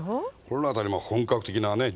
この辺りも本格的なね